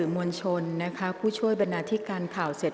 กรรมการท่านแรกนะคะได้แก่กรรมการใหม่เลขกรรมการขึ้นมาแล้วนะคะ